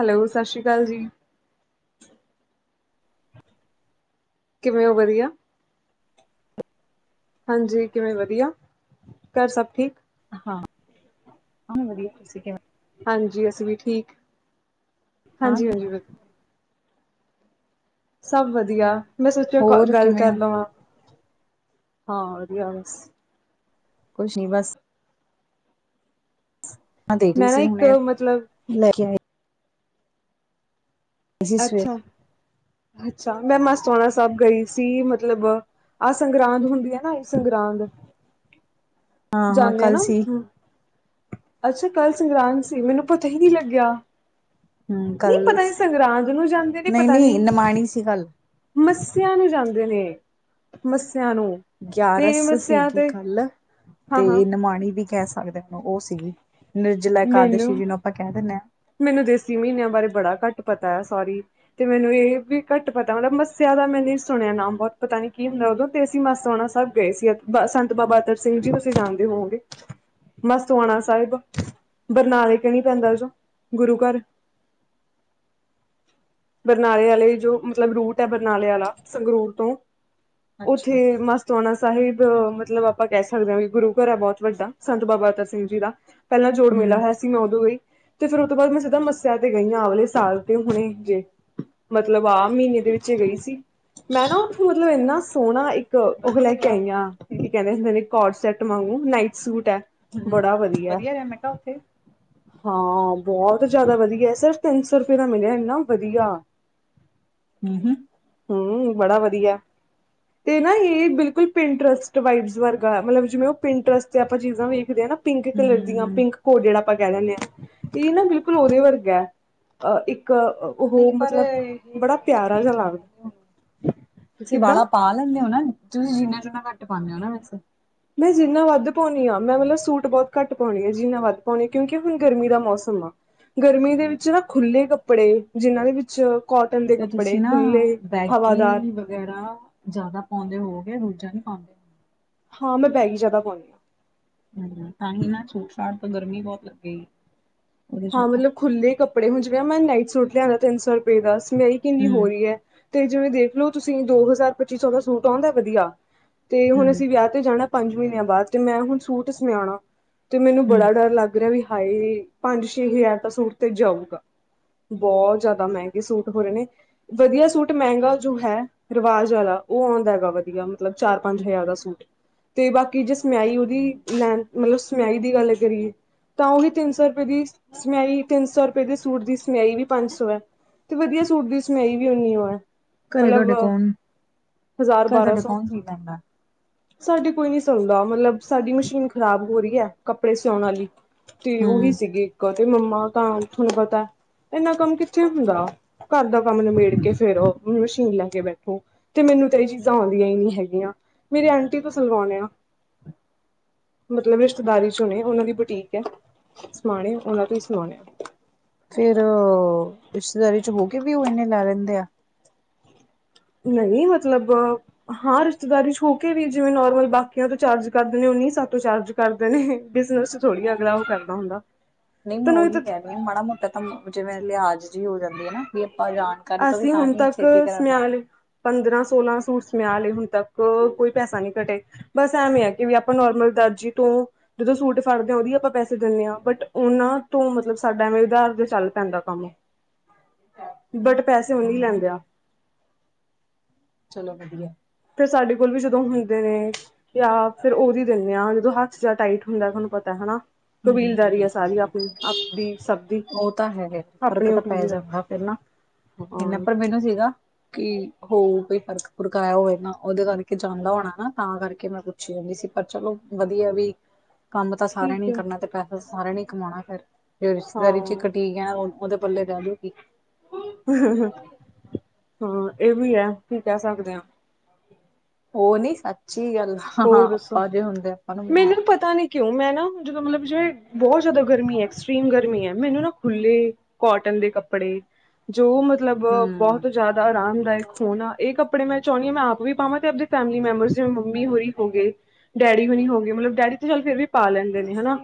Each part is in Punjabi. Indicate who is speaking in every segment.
Speaker 1: ਹੈਲੋ ਸਤਿ ਸ਼੍ਰੀ ਅਕਾਲ ਜੀ।
Speaker 2: [unintelligible]
Speaker 1: ਕਿਵੇਂ ਹੋ ਵਧੀਆ। ਹਾਂਜੀ ਕਿਵੇਂ ਵਧੀਆ ਘਰ ਸਭ ਠੀਕ
Speaker 2: ਹਾਂ ਆ ਵਧੀਆ ਤੁਸੀਂ ਕਿਵੇਂ।
Speaker 1: ਹਾਂਜੀ ਅਸੀਂ ਵੀ ਠੀਕ
Speaker 2: ਹਾਂ
Speaker 1: ਹਾਂਜੀ
Speaker 2: ਠੀਕ,
Speaker 1: -ਹਾਂਜੀ ਬਿਲੁਲ ਸਭ ਵਧੀਆ ਮੈਂ ਸੋਚਿਆ
Speaker 2: ਹੋਰ
Speaker 1: ਗੱਲ
Speaker 2: ਕਿਵੇਂ
Speaker 1: ਕਰ
Speaker 2: ਹੋ
Speaker 1: ਲਵਾਂ। ਹਾਂ ਵਧੀਆ ਬ।
Speaker 2: ਕੁਛ ਨੀ ਬਸ। ਦੇ ਰਹੀ
Speaker 1: ਮੈਂ ਨਾ
Speaker 2: ਸੀ
Speaker 1: ਇੱਕ
Speaker 2: ਹੁਣੇ
Speaker 1: ਮਤਲਬ
Speaker 2: ਲੈ ਕੇ। ਸੀ ਸਵੇਰੇ
Speaker 1: ਅੱਛਾ -ਅੱਛਾ ਮੈਂ ਮਸੋਣਾ ਸਾਹਿਬ ਗਈ ਸੀ ਮਤਲਬ ਆਹ ਸੰਗਰਾਂਦ ਹੁੰਦੀ ਆ ਨਾ ਇਹ ਸੰਗਰਾਂਦ
Speaker 2: ਹਾਂ ਹਾਂ
Speaker 1: ਜਾਂਦੇ ਆ
Speaker 2: ਕੱਲ
Speaker 1: ਨਾ
Speaker 2: ਸੀ
Speaker 1: ਹਮ। ਅੱਛਾ ਕੱਲ ਸੰਗਰਾਂਦ ਸੀ ਮੈਨੂੰ ਪਤਾ ਹੀ ਨਹੀਂੀ ਲੱਗਿਆ।
Speaker 2: ਹਮ
Speaker 1: ਨਹੀਂ
Speaker 2: ਕੱਲ
Speaker 1: ਪਤਾ ਨੀ ਸੰਗਰਾਂਦਨੋਂ ਜਾਂਦੇ ਨੇ ਪਤਾ ਨੀ?
Speaker 2: ਲਾ ਈ ਸੀ ਗੱਲ
Speaker 1: ਮੱਸਿਆ ਨੂੰ ਜਾਂਦੇ ਨੇ ਮੱਸਿਆਂ ਨੂੰ ਤੇ
Speaker 2: ਗਿਆਰਸ
Speaker 1: ਮੱਸਿਆ
Speaker 2: ਸੀਗੀ
Speaker 1: ਤੇ
Speaker 2: ਕੱਲ ਤੇ
Speaker 1: ਹਾਂ-ਹਾਂ
Speaker 2: ਨਮਾਣੀ ਵੀ ਕਹਿ ਸਕਦੇ ਉਹਨੂੰ ਉਹ ਸੀਗੀ। ਨਿਰਜਲਾ
Speaker 1: ਮੈਨੂੰ
Speaker 2: ਇਕਾਦਸ਼ੀ ਜੀ ਨੂੰ ਆਪਾਂ ਕਹਿ ਦਿੰਦੇ ਹਾਂ।
Speaker 1: ਮੈਨੂੰ ਦੇਸੀ ਮਹੀਨਿਆਂ ਬਾਰੇ ਬੜਾ ਘੱਟ ਪਤਾ ਹੈ ਸੋਰੀ। ਤੇ ਮੈਨੂੰ ਇਹ ਵੀ ਘੱਟ ਪਤਾ ਮਤਲਬ ਮੱਸਿਆ ਦਾ ਮੈਂ ਨ ਸੁਣਿਆ ਨਾਮ ਬਹੁਤ ਪਤਾ ਨੀ ਕੀ ਹੁੰਦਾ ਉਦੋਂ ਤੇ ਅਸੀ ਮਸ ਹੋਉਣਾ ਸਭ। ਗਏ ਸੀ ਸੰਤ ਬਾਬਾ ਅਤਰ ਸਿੰਘ ਜੀ ਤੁਸੀਂ ਜਾਣਦੇ ਹੋਗੇ ਮਸਤਵਾਣਾ ਸਾਹਿਬ ਬਰਨਾ ਦੇ ਕੇਣੀ ਪੈਂਦਾੋਂ ਗੁਰੂ ਘਰ ਬਰਨਾਲੇ ਆੇ ਜੋ ਮਤਲਬ ਰੂਟ ਹੈ ਬਰਨਾਲੇ ਆਾ ਸੰਗਰੂਰ ਤੋਂ ਉਓਥੇ
Speaker 2: ਅੱਛਾ
Speaker 1: ਮਸਤ। ਸੋਣਾ ਸਾਹਿਬ ਮਤਲਬ ਆਪਾਂ ਕਹਿ ਸਕਦੇ ਹਾਂ ਕਿ ਗੁਰੂ ਘਰ ਹੈ ਬਹੁਤ ਵੱਡਾ ਸੰਤ ਬਾਬਾ ਅਤਰ ਸਿੰਘ ਜੀ ਦਾ। ਪਹਿਲਾਂ ਜੋੜ
Speaker 2: ਹਮ
Speaker 1: ਮਿਿਆਇ ਮੈਂ ਉਦੋਂ ਗਈ ਤੇ ਫਿਰ ਉਹ ਤੋਂ ਬਾਅਦ ਮੈਂ ਸਿੱਧਾ ਮੱਸਿਆ ਤੇ ਗਈ ਹਾਂ ਅਵਲੇ ਸਾਲ ਤੇ ਹੁਣੇ ਜੇ। ਮਤਲਬ ਆਹ ਮਹੀਨੇ ਦੇ ਵਿੱਚ ਗਈ ਸੀ। ਮੈਂ ਨਾ ਉੱਥੋਂ ਮਤਲਬ ਇੰਨਾ ਸੋਹਣਾ ਇੱਕ ਉਹ
Speaker 2: ਵਧੀਆ
Speaker 1: ਲੈ ਕੇ
Speaker 2: ਰਿਹਾ
Speaker 1: ਆਈ ਹਾਂ।
Speaker 2: ਉੱਥੇ
Speaker 1: ਕੀ ਕਹਿੰਦੇੈ ਕੋਡ ਸੈਟ ਮੰਗੂ ਨਾਈਟ ਸੂਟ ਹੈ
Speaker 2: ਹਮ
Speaker 1: ਬੜਾ ਵਧੀਆ
Speaker 2: ਰਿਹਾ ਮੈਂ ਕਿਹਾ ਉੱਥੇ
Speaker 1: ਹਾਂ ਬਹੁਤ ਜ਼ਿਆਦਾ ਵਧੀਆ ਐ, ਸਿਰਫ ਤਿੰਨ ਸੌ ਰੁਪਏ ਦਾ ਮਿਲਿਆ। ਏਨਾਂ ਵਧੀਆ।
Speaker 2: ਹਮ ਹਮ।
Speaker 1: ਹਮ, ਬੜਾ ਵਧੀਆ। ਤੇ ਨਾ ਇਹ ਬਿਲਕੁਲ ਪਿੰਟਰਸਟ ਵਾਈਬਸ ਵਰਗਾ। ਮਤਲਬ ਜਿਵੇਂ ਉਹ ਪਿੰਟਰਸਟ ਤੇ ਆਪਾਂ ਚੀਜ਼ਾਂ ਵੇਖਦੇ ਆਂ ਨਾ। ਪਿੰਕ ਕਲਰ ਦੀਆਂ
Speaker 2: ਹਮ
Speaker 1: ਪਿੰਕ ਕੋ ਜਿਹੜਾ ਆਪਾਂ ਕਹਿ ਲੈਨੇ ਆਂ। ਇਹ ਨਾ ਬਿਲਕੁਲ ਉਹਦੇ ਵਰਗਾ ਐ, ਅ-ਇੱਕ-ਅ
Speaker 2: ਨਹੀਂ ਪਰ, ਇਹ ਆਪਣੇ ਕੀ
Speaker 1: ਲੱਗਦਾ
Speaker 2: ਕਹਿੰਦੇ, ਤੁਸੀਂ
Speaker 1: ਕਿੱਦਾਂ
Speaker 2: ਵਾਲਾ ਪਾ ਲੈਂਦੇ ਹੋ ਨਾ ਏ। ਤੁਸੀਂ ਜ਼ੀਨਾ ਜ਼ੂਨਾ ਘੱਟ ਪਾਨੇ ਓ ਨਾ ਵੈਸੇ।
Speaker 1: ਮੈਂ ਜ਼ੀਨਾ ਵੱਧ ਪਾਉਨੀ ਆਂ, ਮੈਂ ਮਤਲਬ ਸੂਟ ਬਹੁਤ ਘੱਟ ਪਾਉਨੀ ਆਂ, ਜ਼ੀਨਾ ਵੱਧ ਪਾਉਨੀ ਆਂ। ਕਿਉਂਕਿ ਹੁਣ ਗਰਮੀ ਦਾ ਮੌਸਮ ਆ। ਗਰਮੀ ਦੇ ਵਿੱਚ ਨਾ ਖੁੱਲ੍ਹੇ ਕੱਪੜੇ, ਜਿਨ੍ਹਾਂ ਦੇ ਵਿੱਚ ਕੋਟਨ ਦੇ
Speaker 2: ਤੇ
Speaker 1: ਕੱਪੜੇ,
Speaker 2: ਤੁਸੀਂ ਨਾ
Speaker 1: ਖੁੱਲ੍ਹੇ, ਹਵਾਦਾਰ
Speaker 2: ਬੈਗੀ ਵਗੈਰਾ, ਜ਼ਿਆਦਾ ਪਾਉਂਦੇ ਹੋਗੇ ਦੂਜਾ ਨਹੀਂੀ ਪਾਉਂਦੇ।
Speaker 1: ਹਾਂ, ਮੈਂ ਬੈਗੀ ਜਿਆਦਾ ਪਾਉਣੀ ਹਾਂ।
Speaker 2: ਹਮ, ਤਾਂ ਹੀ ਨਾ ਛੂਟਛਾਟ ਤਾਂ ਗਰਮੀ ਬਹੁਤ ਲੱਗੇਗੀ। ਉਹਦੇ ਚ
Speaker 1: ਹਾਂ
Speaker 2: ਤਾਂ
Speaker 1: ਮਤਲਬ ਖੁੱਲੇ ਕੱਪੜੇ, ਹੁਨ ਜਿਵੇ ਮੈਂ ਨਾਈਟ ਸੂਟ ਲਿਆਉਣਾ ਤਿੰਨ ਸੌ ਰੁਪਏ ਦਾ, ਸਮੇਈ ਕਿੰਨੀ ਹੋ
Speaker 2: ਹਮ
Speaker 1: ਰਹੀ ਹੈ। ਤੇ ਜਿਵੇਂ ਦੇਖਲੋ ਤੁਸੀਂ, ਦੋ ਹਜ਼ਾਰ ਪੱਚੀ ਸੌ ਦਾ ਸੂਟ ਆਉਂਦਾ ਵਧੀਆ, ਤੇ ਹੁਣ
Speaker 2: ਹਮ
Speaker 1: ਅਸੀਂ ਵਿਆਹ ਤੇ ਜਾਣਾ ਪੰਜ ਮਹੀਨਿਆਂ ਬਾਅਦ, ਤੇ ਮੈਂ ਹੁਣ ਸੂਟ ਸੁਿਆਉਣਾ ਤੇ ਮੈਨੂੰ
Speaker 2: ਹਮ
Speaker 1: ਬੜਾ ਡਰ ਲੱਗ ਰਿਹਾ ਵੀ ਹਾਏ, ਪੰਜ ਛੇ ਹਜ਼ਾਰ ਦਾ ਸੂਟ ਤੇ ਜਾਊਗਾ। ਬਹੁਤ ਜ਼ਿਆਦਾ ਮਹਿੰਗੇ ਸੂਟ ਹੋ ਰਹੇ ਨੇ ਵਧੀਆ ਸੂਟ ਮਹਿੰਗਾ ਜੋ ਹੈ ਰਿਵਾਜ਼ ਵਾਲਾ, ਉਹ ਆਉਂਦਾ ਹੈਗਾ ਵਧੀਆ ਮਤਲਬ ਚਾਰ ਪੰਜ ਹਜ਼ਾਰ ਦਾ ਸੂਟ ਤੇ ਬਾਕੀ ਜੇ ਸਮਿਆਈ ਉਹਦੀ ਲੈਂ, ਮਤਲਬ ਸਮਿਆਈ ਦੀ ਗੱਲ ਕਰੀਏ ਤਾਂ ਉਹੀ ਤਿੰਨ ਸੌ ਰੁਪ ਏ ਦੀ ਸਮਿਆਈ ਤਿੰਨ ਸੌ ਰੁਪਏ ਦੇ ਸੂਟ ਦੀ ਸਮਿਆਈ ਵੀ ਪੰਜ ਸੌ ਹੈ, ਤੇ ਵਧੀਆ ਸੂਟ ਦੀ ਮੈਂ ਵੀ ਹੋਨੀ ਏ, ਮਤਲਬ ਹਜ਼ਾਰ
Speaker 2: ਕਪੜੇ
Speaker 1: ਬਾਰਾਂ
Speaker 2: ਤੁਹਾਡੇ
Speaker 1: ਸੌ
Speaker 2: ਕੌਣ ਸੀ ਲੈਂਦਾ?
Speaker 1: ਸਾਡੇ ਕੋਈ ਨੀ ਸਿਲਦਾ ਮਤਲਬ, ਸਾਡੀ ਮਸ਼ੀਨ ਖ਼ਰਾਬ ਹੋ ਰਹੀ ਹੈ। ਕੱਪੜੇ ਸਿਿਆਉਣ ਵਾਲੀ, ਤੇ ਉਹੀ
Speaker 2: ਹਮ
Speaker 1: ਸੀਗੀ ਇੱਕ ਤੇ ਮੰਮਾ ਤਾਂ ਤੁਹਾਨੂੰ ਪਤਾ ਇਨਾ ਕੰਮ ਕਿੱਥੇ ਹੁੰਦਾ, ਘਰ ਦਾ ਕੰਮ ਨਿਬੇੜ ਕੇ ਫੇਰ ਉਹ ਮਸ਼ੀਨ ਲੈ ਕੇ ਬੈਠੋ ਤੇ ਮੈਨੂੰ ਤਾਂ ਇਹ ਚੀਜ਼ਾਂ ਆਉਂਦੀਆਂ ਹੀ ਨਹੀਂੀ ਹੈਗੀਆਂ, ਮੇਰੇ ਆਂਟੀ ਤੋਂ ਸਲਵਾਉਣੇ ਆ ਮਤਲਬ ਰਿਸ਼ਤੇਦਾਰੀ ਚੋਂ ਨੇ, ਉਹਨਾਂ ਦੀ ਬੁਟੀਕ ਹੈ। ਸਮਾਣੇ, ਉਹਨਾਂ ਤੋਂ ਹੀ ਸਮਾਣੇ
Speaker 2: ਫੇਰ, ਰਿਸ਼ਤੇਦਾਰੀ 'ਚ ਹੋ ਕੇ ਵੀ ਉਹ ਇਨੇ ਲੈ ਲੈਂਦੇ ਆ।
Speaker 1: ਨਹੀਂ ਮਤਲਬ ਹਾਂ ਰਿਸ਼ਤੇਦਾਰੀ 'ਚ ਹੋ ਕੇ ਵੀ, ਜਿਵੇਂ ਨੋਰਮਲ ਬਾਕੀਆਂ ਤੋਂ ਚਾਰਜ ਕਰਦੇ ਨੇ ਉਨੀ ਸਾਡੇ ਤੋਂ ਚਾਰਜ ਕਰਦੇ ਨੇ, ਬਿਜਨਸ 'ਚ ਥੋੜੀ ਜ ਅਗਲਾ ਉਹ ਕਰਦਾ ਹੁੰਦਾ।
Speaker 2: ਨਹੀਂ ਮੈਂ
Speaker 1: ਤੈਨੂੰ ਇਹ
Speaker 2: ਉਹੀ
Speaker 1: ਤਾਂ
Speaker 2: ਕਹਿਦੀਹੀ ਹਾਂ, ਮਾੜਾ ਮੋਟਾ ਤਾਂ ਜਿਵੇਂ ਲਿਹਾਜ਼ ਜਿਹੀ ਹੋ ਜਾਂਦੀ ਹੈ ਨਾ ਵੀ ਆਪਾਂ ਜਾਣ
Speaker 1: ਅਸੀਂ ਹੁਣ ਤੱਕ, ਸਮਿਆ ਲਏ ਪੰਦਰਾਂ ਸੋਲਾਂ ਸੂਟ ਸਮਿਆ ਲਏ ਹੁਣ ਤੱਕ ਕੋਈ ਪੈਸਾ ਨਹੀਂੀ ਘਟੇ, ਬਸ ਐਵੇ ਹੀ ਆ ਕਿ ਵੀ ਆਪਾਂ ਨੋਰਮਲ ਦਰਜੀ ਤੋਂ ਜਦੋਂ ਸੂਟ ਫੜਦੇ ਹਾਂ ਉਹਦੀ ਆਪਾਂ ਪੈਸੇ ਦਿੰਦੇ ਹਾਂ, ਬਟ ਉਹਨਾਂ ਤੋਂ ਮਤਲਬ ਸਾਡਾ ਐਵੇਂ ਉਧਾਰ ਤੇ ਚੱਲ ਪੈਂਦਾ ਕੰਮ।
Speaker 2: ਹਾਂ [unintelligible]
Speaker 1: ਬਟ ਪੈਸੇ ਉਨੀ ਲੈਂਦੇ ਆ।
Speaker 2: ਚਲੋ ਵਧੀਆ।
Speaker 1: ਫੇਰ ਸਾਡੇ ਕੋਲ ਵੀ ਜਦੋਂ ਹੁੰਦੇ ਨੇ, ਜਾਂ ਫੇਿਰ ਉਹਦੀ ਦਿੰਦੇ ਹਾਂ ਜਦੋਂ ਹ ਟਾਈਟ ਹੁੰਦਾ, ਤੁਹਾਨੂੰ ਪਤਾ ਹੈਨਾ ਸਭ ਦੀ
Speaker 2: ਉਹ ਤਾਂ ਹੈਗੇ, ਫ਼ਰਕ
Speaker 1: ਆਪਣੀ ਉਹ
Speaker 2: ਤਾਂ ਪੈ
Speaker 1: ਕਬੀਲ
Speaker 2: ਜਾਂਗਾ ਫਿਰ ਨਾ ਇਨਾ,
Speaker 1: ਹਾਂ
Speaker 2: ਪਰ ਮੈਨੂੰ ਸੀਗਾ ਕਿ ਹੋ ਕੋਈ ਫਰਕ- ਫੁਰਕ ਆਇਆ ਹੋਵੇ ਨਾ, ਉਹਦੇ ਕਰਕੇ ਜਾਂਦਾ ਹੋਣਾ ਨਾ ਤਾਂ ਕਰਕੇ ਮੈਂ ਅੱਛੀ ਜਾਂਦੀ ਸੀ, ਪਰ ਚਲੋ ਵਧੀਆ ਵੀ
Speaker 1: ਹ [unintelligible]
Speaker 2: ਕੰਮ ਤਾਂ ਸਾਰਿਆਂ ਨੇ ਕਰਨਾ ਤੇ ਪੈਸਾ ਸਾਰਿਆਂ ਨੇ ਕਮਾਉਣਾ ਫੇਿਰ, ਜੋ ਰਿਸ਼ਤੇਦਾਰੀ 'ਚ ਹੀ
Speaker 1: ਹਾਂ
Speaker 2: ਘਟੀ ਉਹਦੇ ਪੱਲੇ ਪੈ ਦੂਗੀ।
Speaker 1: ਹਾਂ ਇਹ ਵੀ ਹੈ, ਕੀ ਕਹਿ ਸਕਦੇ ਹਾ।
Speaker 2: ਉਹ ਨੀ ਸੱਚੀ ਗੱਲ ਆ,
Speaker 1: ਹੋਰ
Speaker 2: ਹਾਂ
Speaker 1: ਦੱਸੋ?
Speaker 2: ਆਪਾਂ ਜੇ ਹੁੰਦੇ ਆਪਾਂ ਨੂੰ ਮਿਲ
Speaker 1: ਮੈਨੂੰ ਪਤਾ ਨੀ ਕਿਉਂ ਮੈਂ ਨਾ, ਜਦੋਂ ਮਤਲਬ ਜਿ ਬਹੁਤ ਜ਼ਿਆਦਾ ਗਰਮੀ ਹੈ ਐਕਸਟਰੀਮ ਗਰਮੀ ਹੈ, ਮੈਨੂੰ ਨਾ ਖੁੱਲੇ ਕੋਟਨ ਦੇ ਕੱਪੜੇ, ਜੋ ਮਤਲਬ ਬਹੁਤ
Speaker 2: ਹੂੰ
Speaker 1: ਤੋਂ ਜ਼ਿਆਦਾ ਆਰਾਮਦਾਇਕ ਹੋਣਾ ਇਹ ਕੱਪੜੇ ਮੈਂ ਚਾਹੁੰਣੀ ਆਂ ਮੈਂ ਆਪ ਵੀ ਪਾਵਾਂ ਤੇ ਆਪਦੀ ਫੈਮਿਲੀ ਮੈਂਬਰਸ ਜਿਵੇ ਮੰਮੀ ਹੋਰੀ ਹੋ ਗਏ ਡੈਡੀ ਹੁਨੀ ਹੋ ਗਏ, ਮਤਲਬ ਡੈਡੀ ਤੇ ਚੱਲ ਫਿਰ ਵੀ ਪਾ ਲੈਂਦੇ ਨੇ ਹਨਾਂ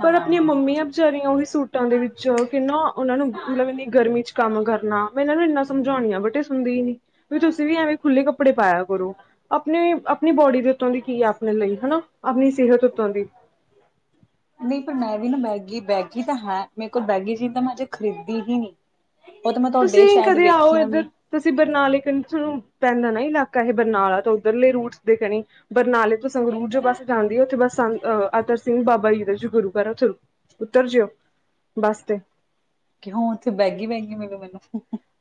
Speaker 1: ਪਰ ਆਪਣੀਆਂ
Speaker 2: ਹਾਂ
Speaker 1: ਮੰਮੀਆਂ ਵਿਚਾਰੀਆਂ ਉਹੀ ਸੂਟਾਂ ਦੇ ਵਿੱਚ ਕਿੰਨਾ ਉਹਨਾਂ ਨੂੰ ਮਤਲਬ ਇੰਨੀ ਗਰਮੀ ਚ ਕੰਮ ਕਰਨਾ ਮੈਂ ਇਹਨਾਂ ਨੂੰ ਇੰਨਾ ਸਮਝਾਉਣੀ ਆ ਬਟ ਇਹ ਸੁਣਦੀ ਹੀ ਨੀ ਵੀ ਤੁਸੀਂ ਵੀ ਐਵੇਂ ਖੁੱਲ੍ਹੇ ਕੱਪੜੇ ਪਾਇਆ ਕਰੋ। ਆਪਣੀ ਆਪਣੀ ਬੋਡੀ ਦੇ ਉੱਤੋਂ ਦੀ ਕੀ [unintelligible] ਆਪਣੇ ਲਈ ਹਨਾ ਆਪਣੀ ਸਿਹਤ ਉੱਤੋਂ ਦੀ
Speaker 2: ਨਈ ਪਰ ਮੈਂ ਵੀ ਨਾ ਮੈਗੀ ਬੈਗੀ ਤਾਂ ਹਾਂ, ਮੇਰੇ ਕੋਲ ਬੈਗੀ ਚੀ ਤਾਂ ਮੈਂ ਅਜੇ ਖਰੀਦੀ ਹੀ ਨ੍ਹੀਂ। ਉਹ ਤਾਂ ਮੈਂ ਤੁਹਾਡੇ
Speaker 1: ਤੁਸੀਂ
Speaker 2: ਸ਼ਾਇਦ
Speaker 1: ਕਦੇ ਆਓ
Speaker 2: ਵੇਖੀਆਂ ਵੀ
Speaker 1: ਇੱਧਰ ਤੁਸੀਂ ਬਰਨਾਲੇ ਕ ਤੁਹਾਨੂੰ ਪੈਂਦਾ ਨਾ ਇਲਾਕਾ ਇਹ ਬਰਨਾਲਾ ਤਾਂ ਉੱਧਰਲੇ ਰੂਟਸ ਦੇ ਕਣੀ ਬਰਨਾਲੇ ਤੋਂ ਸੰਗਰੂਰ ਜੋ ਬਸ ਜਾਂਦੀ ਆ ਉੱਥੇ ਬਸ ਸੰ ਅਤਰ ਸਿੰਘ ਬਾਬਾ ਜੀਦ ਜੀ ਗੁਰੂ ਕਰ ਉਥ ਉੱਤਰ ਜਿਓ ਬਸ ਤੇ
Speaker 2: ਕਿ ਹੁਣ ਉੱਥੇ ਬੈਗੀ ਵੈਗੀ ਮਿਲੂ ਮੈਨੂੰ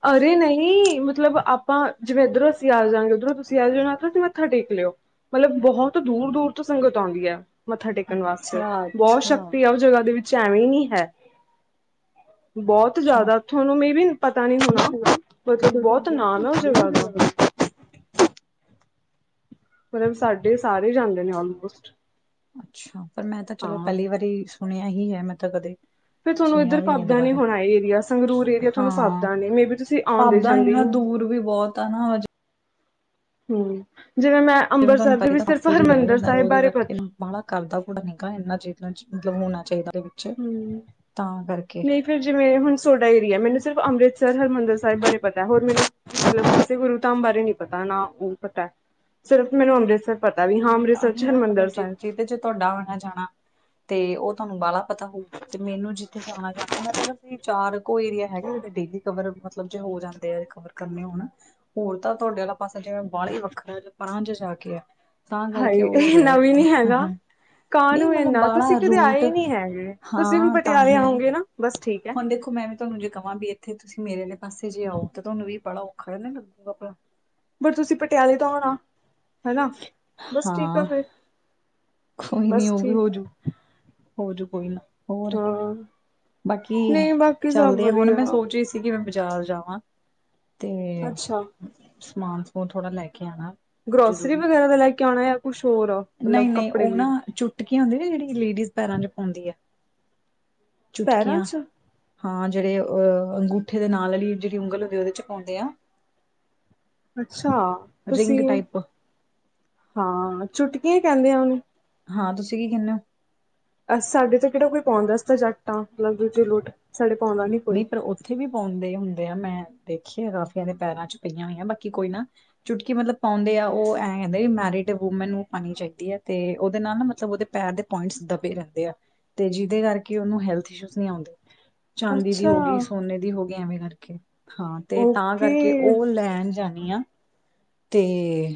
Speaker 1: ਅਰੇ ਨਹੀਂ, ਮਤਲਬ ਆਪਾਂ ਜਿਵੇਂ ਇੱਧਰੋਂ ਅਸੀਂ ਆ ਜਾਵਾਂਗੇ ਉੱਧਰੋਂ ਤੁਸੀਂ ਆ ਜਾਣਾ, ਤੁਸੀਂ ਮੱਥਾ ਟੇਕ ਲਿਓ ਮਤਲਬ ਬਹੁਤ ਦੂਰ-ਦੂਰ ਤੋਂ ਸੰਗਤ ਆਉਂਦੀ ਐ। ਮੱਥਾ ਟੇਕਣ ਵਾਸਤੇ
Speaker 2: ਅੱਛਾ,
Speaker 1: ਬਹੁਤ
Speaker 2: ਅੱਛਾ,
Speaker 1: ਸ਼ਕਤੀ ਆ ਉਹ ਜਗ੍ਹਾ ਦੇ ਵਿੱਚ ਐਵੇਂ ਨੀ ਹੈ। ਬੋਤ
Speaker 2: ਅੱਛਾ।
Speaker 1: ਜ਼ਿਆਦਾ ਤੁਹਾਨੂੰ ਮੇਂ ਵੀ ਪਤਾ ਨੀ ਹੋਣਾ ਮਤਲਬ ਬੋਤ ਨਾਮ ਐ ਉਸ ਜਗ੍ਹਾ ਦਾ ਮਤਲਬ ਸਾਡੇ ਸਾਰੇ ਜਾਂਦੇ ਨੇ ਆਲਮੋਸਟ
Speaker 2: ਅੱਛਾ, ਪਰ ਮੈਂ ਤਾਂ ਚਲੋ
Speaker 1: ਹਾਂ
Speaker 2: ਪਹਿਲੀ ਵਾਰੀ ਸੁਣਿਆ ਹੀ ਹੈ ਮੈਂ ਤਾਂ ਕਦੇ
Speaker 1: ਫਿਰ ਤੁਹਾਨੂੰ
Speaker 2: ਸੁਣਿਆ
Speaker 1: ਇੱਧਰ
Speaker 2: ਵੀ ਇਹਦੇ
Speaker 1: ਫੱਪਦਾ ਨੀ
Speaker 2: ਬਾਰੇ।
Speaker 1: ਹੁਣਾ ਏਰੀਆ, ਸੰਗਰੂਰ ਏਰੀਆ ਤੁਹਾਨੂੰ ਫਬੱਦਾ ਨੀਂ ਮੇਂਂ ਬੀ ਤੁਸੀਂ ਆਉਂਦੇ
Speaker 2: ਫੱਬਦਾ ਨੀਂ ਨਾ ਦੂਰ ਵੀ ਬੋਤ ਆ ਨਾ ਹਜੇ
Speaker 1: ਹਂ, ਜਿਵੇਂ ਮੈਂ
Speaker 2: ਜਿਵੇਂ ਤੁਹਾਨੂੰ
Speaker 1: ਅੰਮ੍ਰਿਤਸਰ ਦੇ
Speaker 2: ਪਤਾ
Speaker 1: ਵਿੱਚ
Speaker 2: ਤਾਂ
Speaker 1: ਸਿਰਫ
Speaker 2: ਪਾਸੇ ਚ ਰਹਿ
Speaker 1: ਹਰਿਮੰਦਰ
Speaker 2: ਜਾਂਦਾ
Speaker 1: ਸਾਹਿਬ
Speaker 2: ਉਹਦੇ
Speaker 1: ਬਾਰੇ
Speaker 2: ਕਰਕੇ
Speaker 1: ਪਤਾ
Speaker 2: ਬਾਹਲਾ ਕਰਦਾ ਕੁੂੜਾ ਨਿੱਕਾ ਇੰਨਾ ਚੀ [unintelligible] ਮਤਲਬ ਹੋਣਾ ਚਾਈਦਾ ਦੇ ਵਿੱਚ
Speaker 1: ਹਮ
Speaker 2: ਤਾਂ ਕਰਕੇ
Speaker 1: ਨਹੀਂ ਫਿਰ ਜਿਵੇਂ ਹੁਣ ਸੋਡਾ ਏਰੀਆ, ਮੈਨੂੰ ਸਿਰਫ ਅੰਮ੍ਰਿਤਸਰ ਹਰਿਮੰਦਰ ਸਾਹਿਬ ਬਾਰੇ ਪਤਾ ਹੋਰ ਮੈਨੂੰ ਮਤਲਬ ਕਿਸੇ ਗੁਰੂ ਧਾਮ ਬਾਰੇ ਨੀ ਪਤਾ, ਨਾ ਉਹ ਪਤਾ ਸਿਰਫ ਮੈਨੂੰ ਅੰਮ੍ਰਿਤਸਰ ਪਤਾ ਵੀ ਹਾਂ ਅੰਮ੍ਰਿਤਸਰ ਚ ਹਰਿਮੰਦਰ ਸਾਹਿਬ
Speaker 2: ਜੇ ਤੁਹਾਡਾ ਆਉਣਾ ਜਾਣਾ ਤੇ ਉਹ ਤੁਹਾਨੂੰ ਬਾਹਲਾ ਪਤਾ ਹੋਊ, ਤੇ ਮੈਨੂੰ ਜਿੱਥੇ ਜਾਣਾ [unintelligible] ਮ ਚਾਰ ਕੋ ਏਰੀਆ ਹੈਗਾ ਵੱਡੀੇ ਕਵਰ ਮਤਲਬ ਜੋ ਹੋ ਜਾਂਦੇ ਆ ਰਿਕਵਰ ਕਰਨੇ ਹੋਣ ਹੁਣ ਤਾਂ ਤੁਹਾਡੇ ਵਾਲੇ ਪਾਸਾ ਜਿਵੇਂ ਬਾਹਲੀ ਵੱਖਰਾ ਪਰਾਂ ਜਿਆ ਜਾ ਕੇ ਆ ਤਾਂ ਕਰਕੇ
Speaker 1: ਹਾਏ
Speaker 2: ਉਹ
Speaker 1: ਇੰਨਾ
Speaker 2: ਰਹਿ
Speaker 1: ਵੀ ਨੀ ਹੈਗਾ
Speaker 2: ਜਾਂਦਾ ਨਈਂ,
Speaker 1: ਕਾਹਨੂੰ
Speaker 2: ਮਤਲਬ
Speaker 1: ਇੰਨਾ ਤੁਸੀਂ
Speaker 2: ਬਾਹਲਾ
Speaker 1: ਕਦੇ
Speaker 2: ਰੂਟ
Speaker 1: ਆਏ ਨੀ ਹੈਗੇ ਤੁਸੀਂ ਹੁਣ
Speaker 2: ਹਾਂ
Speaker 1: ਪਟਿਆਲੇ
Speaker 2: ਤਾਂਹੀ
Speaker 1: ਆਓਗੇ ਨਾ ਬਸ ਠੀਕ ਹੈ
Speaker 2: ਹੁਣ ਦੇਖੋ ਮੈਂ ਵੀ ਤੁਹਾਨੂੰ ਜੇ ਕਵਾਂ ਵੀ ਇੱਥੇ ਤੁਸੀਂ ਮੇਰੇ ਆਲੇ ਪਾਸੇ ਜੇ ਆਓ ਤੇ ਤੁਹਾਨੂੰ ਵੀ ਬੜਾ ਔਖਾ ਜਿਆ ਨਾ ਲੱਗੂਗਾ ਪ
Speaker 1: ਬਟ ਤੁਸੀਂ ਪਟਿਆਲੇ ਤੋਂ ਆਉਣਾ, ਹੈਨਾ ਬਸ ਠੀਕ ਆ
Speaker 2: ਹਾਂ
Speaker 1: ਫਿਰ।
Speaker 2: ਕੋਈ ਨੀ
Speaker 1: ਬਸ
Speaker 2: ਉਵੀ
Speaker 1: ਠੀਕ
Speaker 2: ਹੋਜੂ, ਹੋਜੂ ਕੋਈ ਨੀ
Speaker 1: ਹਾਂ।
Speaker 2: ਬਾਕੀ
Speaker 1: ਨਹੀਂ ਬਾਕੀ ਸਭ
Speaker 2: ਚੱਲਦੇ ਆ ਹੁਣ ਮੈਂ
Speaker 1: ਵਧੀਆ
Speaker 2: ਸੋਚ ਰੀ ਸੀ ਸੀ ਕਿ ਮੈਂ ਬਾਜ਼ਾਰ ਜਾਵਾਂ ਤੇ
Speaker 1: ਅੱਛਾ
Speaker 2: ਸਮਾਨ ਸੁਮਾਨ ਥੋੜਾ ਲੈ ਕੇ ਆਣਾ।
Speaker 1: ਗਰੋਸਰੀ
Speaker 2: ਜ਼ਰੂਰੀ
Speaker 1: ਵਗੈਰਾ ਦਾ ਲੈ ਕੇ ਆਉਣਾ ਜਾਂ ਕੁਛ ਹੋਰ ਆ ਮਤਲਬ ਕੱਪੜੇ ਲੀੜ
Speaker 2: ਟਿਕੀ ਹੁੰਦੀ ਨਾ ਜਿਹੜੀ ਲੇਡੀਜ਼ ਪੈਰਾਂ ਚ ਪਾਉਂਦੀ ਐ।
Speaker 1: ਪੈਰਾਂ
Speaker 2: ਚੁਟਕੀਆਂ
Speaker 1: 'ਚ
Speaker 2: ਹਾਂ, ਜਿਹੜੇ ਅਹ ਅੰਗੂਠੇ ਦੇ ਨਾਲ ਆਲੀ ਜਿਹੜੀ ਉਂਗਲ ਹੁੰਦੀ ਆ ਉਹਦੇ ਚ ਪਾਉਂਦੇ ਆ।
Speaker 1: ਅੱਛਾ,
Speaker 2: ਰਿੰਗ
Speaker 1: ਤੁਸੀਂ
Speaker 2: ਟਾਈਪ
Speaker 1: ਹਾਂ ਚੁਟਕੀ ਈ ਕਹਿੰਦੇ ਆ ਉਹਨੂੰ।
Speaker 2: ਹਾਂ, ਤੁਸੀਂ ਕੀ ਕਹਿੰਨੇ ਔ?
Speaker 1: ਅ ਸਾਡੇ ਤੇ ਕਿਹੜਾ ਕੋਈ ਪਾਉਂਦਾ ਅਸੀਂ ਤਾਂ ਜੱਟ ਆ ਮਤਲਬ ਦੂਜੇ ਲੁੱਟ ਸਾਡੇ ਪਾਉਂਦਾ ਨੀ
Speaker 2: ਨਈ, ਪਰ ਉੱਥੇ ਵੀ ਪਾਉਂਦੇ ਹੁੰਦੇ ਆ ਮੈਂ ਦੇਖੀ ਕਾਫੀਆਂ ਦੇ ਪੈਰਾਂ ਚ ਪਈਆਂ ਹੋਈਆਂ ਬਾਕੀ ਕੋਈ ਨਾ ਚੁਟਕੀ ਮਤਲਬ ਪਾਉਂਦੇ ਆ, ਉਹ ਐਂ ਕਹਿੰਦੇ ਮੈਰਿਡ ਵੂਮੈਨ ਨੂੰ ਪਾਉਣੀ ਚਾਹੀਦੀ ਹੈ, ਤੇ ਉਹਦੇ ਨਾਲ ਨਾ ਮਤਲਬ ਉਹਦੇ ਪੈਰ ਦੇ ਪੁਇੰਟਸ ਦਬੇ ਰਹਿੰਦੇ ਆ, ਤੇ ਜਿਹਦੇ ਕਰਕੇ ਉਹਨੂੰ ਹੈਲਥ ਇਸ਼ੂ ਨਈ ਆਉਂਦੇ ਚਾਂਦੀ ਦੀ
Speaker 1: ਅੱਛਾ
Speaker 2: ਹੋ ਗਈ, ਸੋਨੇ ਦੀ ਹੋ ਗਈ, ਐਵੇਂ ਕਰਕੇ ਹਾਂ, ਤੇ ਤਾਂ
Speaker 1: ਓਕੇ
Speaker 2: ਕਰਕੇ, ਉਹ ਲੈਣ ਜਾਣੀ ਆ ਤੇ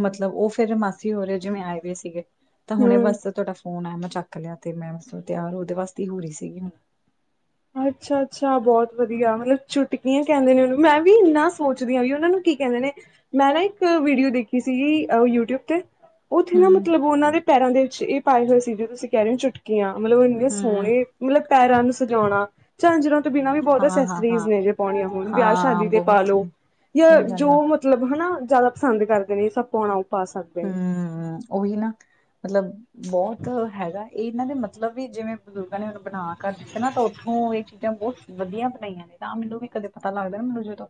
Speaker 2: ਮਤਲਬ ਉਹ ਫੇਰ ਮਾਸੀ ਹੋ ਰੇ ਜਿਵੇਂ ਆਏ ਹੋਏ ਸੀਗੇ ਤਾਂ ਹੁਣੇ,
Speaker 1: ਹੂੰ
Speaker 2: ਬਸ ਤੁਹਾਡਾ ਫੋਨ ਆਇਆ, ਚੱਕ ਲਿਆ, ਤੇ ਮੈਂ ਤਿਆਰ ਉਹਦੇ ਵਾਸਤੇ ਹੀ ਹੋ ਰਹੀ ਸੀਗੀ।
Speaker 1: ਅੱਛਾ-ਅੱਛਾ, ਬਹੁਤ ਵਧੀਆ ਮਤਲਬ ਛੁਟਕੀਆਂ ਕਹਿੰਦੇ ਨੇ ਉਹਨੂੰ, ਮੈਂ ਵੀ ਇੰਨਾ ਸੋਚਦੀ ਹਾਂ, ਵੀ ਉਹਨਾਂ ਨੂੰ ਕੀ ਕਹਿੰਦੇ ਨੇ ਮੈਂ ਨਾ ਇੱਕ ਵੀਡੀਓ ਦੇਖੀ ਸੀਗੀ ਯੂਟਿਊਬ, ਤੇ ਉੱਥੇ ਨਾ
Speaker 2: ਹਮ
Speaker 1: ਮਤਲਬ ਉਹਨਾਂ ਨੇ ਪੈਰਾਂ ਦੇ ਵਿੱਚ ਇਹ ਪਾਏ ਹੋਏ ਸੀ, ਜੋਂ ਤੁਸੀਂ ਕਹਿ ਰਹੇ ਹੋ, ਚੁਟਕੀਆਂ ਮਤਲਬ ਉਹੰਨੇ
Speaker 2: ਹਮ
Speaker 1: ਸੋਹਣੇ, ਮਤਲਬ ਪੈਰਾਂ ਨੂੰ ਉਣਾ ਝਾਂਜਰਾਂ ਤੋਂ ਬਿਨਾਂ ਵੀ ਬਹੁਤ
Speaker 2: ਹਾਂ-ਹਾਂ-ਹਾਂ,
Speaker 1: ਅਸਸਰੀ ਨੇ, ਜੇ ਪਾਉਣੀਆਂ,
Speaker 2: ਹਾਂ
Speaker 1: ਹੁਣ ਵਿਆਹ
Speaker 2: ਹਾਂ ਹਾਂ
Speaker 1: ਸ਼ਾਦੀ ਤੇ ਪਾ
Speaker 2: ਬਹੁਤ
Speaker 1: ਲੋੋ ਜਾਂ
Speaker 2: ਸਹੀ ਗੱਲ ਆ
Speaker 1: ਜੋ ਮਤਲਬ ਨਾ ਜ਼ਿਆਦਾ ਪਸੰਦ ਕਰਦੇ ਨੇ, ਸਭ ਪਾਉਣਾ, ਉਹ ਪਾ ਸਕਦੇ ਨੇ
Speaker 2: ਉਹ ਵੀ ਨਾ, ਮਤਲਬ ਬਹੁਤ ਹੈਗਾ ਇਹਨਾਂ ਦੇ ਮਤਲਬ ਵੀ, ਜਿਵੇਂ ਬਜ਼ੁਰਗਾਂ ਨੇ ਹ ਬਣਾ ਕਰ ਦਿੱਤੇ ਨਾ, ਤਾਂ ਉੱਥੋਂ ਇਹ ਚੀਜ਼ਾਂ ਬਹੁਤ ਵਧੀਆ ਬਣਾਈਆਂ ਨੇ। ਤਾਂ ਮੈਨੂੰ ਵੀ ਕਦੇ ਪਤਾ ਲੱਗਦਾ, ਮੈਨੂੰ ਜਦੋਂ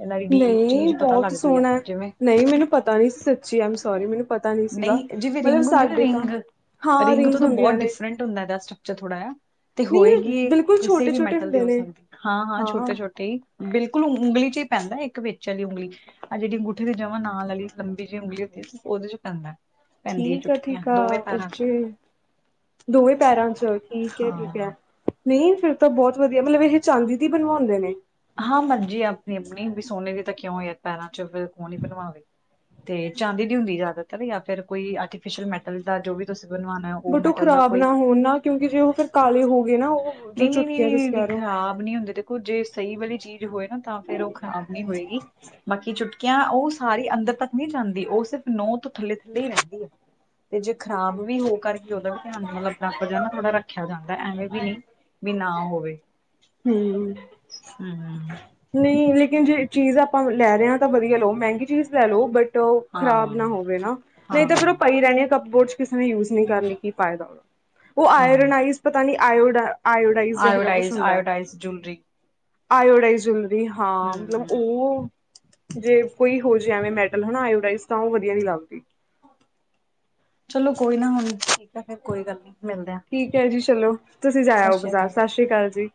Speaker 2: ਇਹਨਾਂ ਦੀ ਡੀਪ
Speaker 1: ਨਹੀਂ
Speaker 2: ਚੀਜ਼ ਪਤਾ
Speaker 1: ਬਹੁਤ
Speaker 2: ਲੱਗਦੀ ਹੈ
Speaker 1: ਸੋਹਣਾ,
Speaker 2: ਜਿਵੇਂ
Speaker 1: ਨਹੀਂ ਮੈਨੂੰ ਪਤਾ ਨੀ ਜੀ ਐਮ ਸੋਰੀ ਮੈਨੂੰ ਪਤਾ ਨੀ ਸੀਗਾ,
Speaker 2: ਨਹੀਂ ਜਿਵੇਂ
Speaker 1: ਮਤਲਬ
Speaker 2: ਰਿੰਗ ਹੁੰਦੇ ਨਾ
Speaker 1: ਸਾਡੇ ਤਾਂ
Speaker 2: ਰਿੰਗ
Speaker 1: ਹਾਂ
Speaker 2: ਰਿੰਗ ਤੋਂ
Speaker 1: ਰਿੰਗਸ
Speaker 2: ਤਾਂ ਬਹੁਤ
Speaker 1: ਹੁੰਦੀਆਂ ਨੇ
Speaker 2: ਡਿਫਰੈਂਟ ਹੁੰਦਾ, ਰੈਸਟ ਥੋੜਾ ਜਹਾ ਤੇ
Speaker 1: ਨਹੀਂ ਉਹ
Speaker 2: ਹੋਏਗੀ,
Speaker 1: ਬਿਲਕੁਲ
Speaker 2: ਕਿਸੇ
Speaker 1: ਛੋਟੇ
Speaker 2: ਵੀ
Speaker 1: ਛੋਟੇ
Speaker 2: ਮੈਟਲ ਦੀ
Speaker 1: ਹੁੰਦੇ
Speaker 2: ਹੋ
Speaker 1: ਨੇ
Speaker 2: ਸਕਦੀ ਹਾਂ, ਹਾਂ ਛੋਟੇ-ਛੋਟੇ ਬਿਲਕੁਲ ਉਂਗਲੀ ਚ ਹੀ ਪੈਂਦਾ, ਇੱਕ ਵਿੱਚ ਵਾਲੀ ਉਂਗਲੀ ਆ, ਜਿਹੜੀ ਅੰਗੂਠੇ ਦੀ ਜਮਾਂ ਨਾਲ ਵਾਲੀ ਲੰਬੀ ਜਿਹੀ ਉਂਗਲੀ ਉਹਦੇ ਚ ਪੈਦਾ।
Speaker 1: ਠੀਕ ਆ, ਠੀਕ ਆ, ਓਕੇ। ਦੋਵੇਂ ਪੈਰਾਂ ਚ ਠੀਕ ਹੈ, ਠੀਕ ਹੈ।
Speaker 2: ਹਾਂ
Speaker 1: ਨਹੀਂ ਫਿਰ ਤਾਂ ਬਹੁਤ ਵਧੀਆ, ਮਤਲਬ ਇਹ ਚਾਂਦੀ ਦੀ ਬਣਵਾਉਂਦੇ ਨੇ।
Speaker 2: ਹਾਂ ਮਰਜੀ ਆਪਣੀ- ਆਪਣੀ ਵੀ, ਸੋਨੇ ਦੀ ਤਾਂ ਕਿਉਂ ਹੋ, ਯ ਪੈਰਾਂ ਚ ਫਿਰ ਕੌਣ ਹੀ ਬਣਵਾਵੇ। ਤੇ ਚਾਂਦੀ ਦੀ ਹੁੰਦੀ ਜ਼ਿਆਦਾਤਰ, ਜਾਂ ਫਿਰ ਕੋਈ ਆਰਟੀਫਿਸ਼ਲ ਮੈਟਲ ਦਾ ਜੋ ਵੀ ਤੁਸੀਂ ਬਣਵਾਉ ਉਹ
Speaker 1: ਬਟ
Speaker 2: ਮੈਟਲ ਦਾ
Speaker 1: ਖ਼ਰਾਬ
Speaker 2: ਕੋਈ
Speaker 1: ਨਾ ਹੋਣ ਨਾ ਕਿਉਂਕਿ ਜੇ ਉਹ ਫਿਰ ਕਾਲੇ ਹੋ ਗਏ ਨਾ ਉਹ ਜੋ
Speaker 2: ਨਹੀਂ, ਨਹੀਂ,
Speaker 1: ਚੁਟਕੀਆਂ ਤੁਸੀਂ
Speaker 2: ਨਹੀ
Speaker 1: ਕਹਿ ਰਹੇ ਹੋ
Speaker 2: ਖ਼ਰਾਬ ਨਹੀਂ ਹੁੰਦੇ ਤੇ ਜੇ ਸਹੀ ਵਾਲੀ ਚੀਜ਼ ਹੋਏ ਨਾ, ਤਾਂ ਫ਼ੇਰ ਉਹ ਖ਼ਰਾਬ ਨੀ ਹੋਏਗੀ, ਬਾਕੀ ਚੁਟ ਕਿਆ ਉਹ ਸਾਰੀ ਅੰਦਰ ਤੱਕ ਨਹੀਂ ਜਾਂਦੀ? ਉਹ ਸਿਰਫ ਨੋਹ ਤੋਂ ਥੱਲੇ ਥੱਲੇ ਹੀ ਰਹਿੰਦੀ ਹੈ। ਤੇ ਜੇ ਖਰਾਬ ਵੀ ਹੋ ਕਰਕੇ ਉਹਦਾ ਵੀ ਧਿਆਨ ਮਤਲਬ ਆਪਣਾ ਨਾ ਥੋੜ੍ਹਾ ਰੱਖਿਆ ਜਾਂਦਾ, ਐਵੇਂ ਵੀ ਨਹੀਂ। ਵੀ ਨਾ ਹੋਵੇ।
Speaker 1: ਹਮ [unintelligible]
Speaker 2: ਹਮ [unintelligible]
Speaker 1: ਨਹੀਂ, ਲੇਕਿਨ ਜੇ ਚੀਜ਼ ਆਪਾਂ ਲੈ ਰਹੇ ਹਾਂ, ਤਾਂ ਵਧੀਆ ਲਓ, ਮਹਿੰਗੀ ਚੀਜ਼ ਲੈ ਲਓ ਬਟ ਉਹ ਖਰਾਬ
Speaker 2: ਹਾਂ
Speaker 1: ਨਾ ਹੋਵੇ ਨਾ, ਨਹੀਂ
Speaker 2: ਹਾਂ
Speaker 1: ਤਾਂ ਫੇਰ ਉਹ ਪਈ ਰਹਿਣੀ ਆ, ਕੱਪ ਬੋਰਡ ਚ ਕਿਸੇ ਨੇ ਯੂਜ ਨਹੀਂ ਕਰਨੀ, ਕੀ ਫਾਇਦਾ? ਉਹ
Speaker 2: ਹਮ
Speaker 1: ਆਇਰਨਾਈਜ਼ ਪਤਾ ਨੀ, ਆਡ ਆਓਡਾਈਜ਼ ਰਹੇ ਕੁਛ
Speaker 2: ਆਇਓਡਾਈਜ਼
Speaker 1: ਹੁੰਦਾ।
Speaker 2: Iodise jewellery.
Speaker 1: ਆਓਡਾਈਲ ਹਾਂ, ਮਤਲਬ
Speaker 2: ਹਮ
Speaker 1: ਉਹ ਜੇ ਕੋਈ ਹੋਰ ਜਿ ਐਵੇਂ ਮੈਟਲ ਹਨਾ ਆਓਰਾਈਜ਼, ਤਾਂ ਉਹ ਵਧੀਆ ਨੀ ਲਗਦੀ।
Speaker 2: ਚਲੋ ਕੋਈ ਨਾ, ਹੁਣ ਠੀਕ ਆ, ਫੇਰ ਕੋਈ ਗੱਲ ਨੀ। ਮਿਲਦੇ ਆ
Speaker 1: ਠੀਕ ਹੈ ਜੀ ਚਲੋ, ਤੁਸੀਂ
Speaker 2: ਸਤਿ
Speaker 1: ਜਾਇਓ
Speaker 2: ਸ੍ਰੀ
Speaker 1: ਬਾਜ਼ਾਰ,
Speaker 2: ਅਕਾਲ
Speaker 1: ਸਤਿ ਸ੍ਰੀ ਅਕਾਲ ਜੀ।